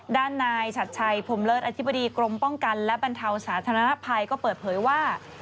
ด้านนายชัดชัยพรมเลิศอธิบดีกรมป้องกันและบรรเทาสาธารณภัยก็เปิดเผยว่า